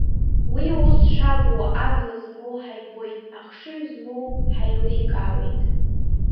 Уи ус шакәу абла змоу ҳаибоит, ахшыҩ змоу ҳаиликаауеит.